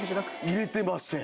入れてません。